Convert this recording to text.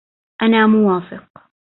أنا موافق